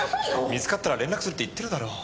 見つかったら連絡するって言ってるだろう。